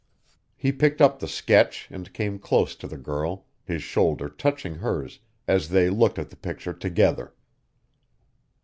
He picked up the sketch and came close to the girl, his shoulder touching hers, as they looked at the picture together.